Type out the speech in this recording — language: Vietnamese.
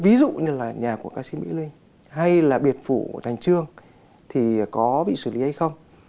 ví dụ như là nhà của ca sĩ mỹ linh hay là biệt phủ thành trương thì có bị xử lý hay không